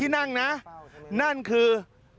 นั่นคือ